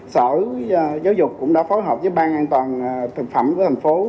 sở giáo dục cũng đã phối hợp với bang an toàn thực phẩm của tp hcm